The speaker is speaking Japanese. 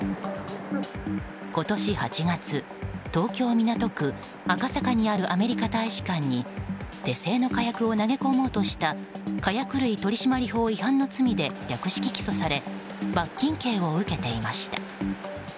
今年８月、東京・港区赤坂にあるアメリカ大使館に手製の火薬を投げ込もうとした火薬類取締法違反の罪で略式起訴され罰金刑を受けていました。